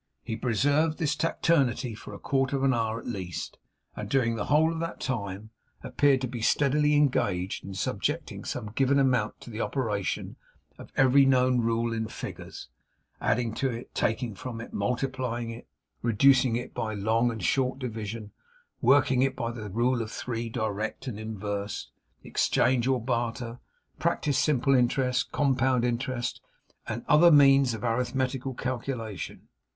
He preserved this taciturnity for a quarter of an hour at least, and during the whole of that time appeared to be steadily engaged in subjecting some given amount to the operation of every known rule in figures; adding to it, taking from it, multiplying it, reducing it by long and short division; working it by the rule of three direct and inversed; exchange or barter; practice; simple interest; compound interest; and other means of arithmetical calculation.